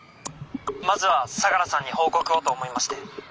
まずは相良さんに報告をと思いまして。